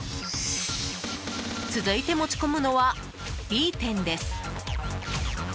続いて持ち込むのはＢ店です。